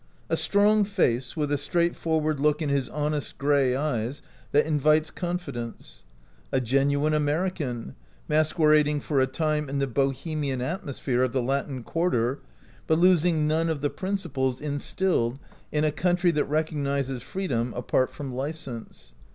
A strong face, with a straightforward look in his honest gray eyes that invites confidence. A genuine Ameri can, masquerading for a time in the Bohe mian atmosphere of the Latin Quarter, but losing none of the principles instilled in a country that recognizes freedom apart from license.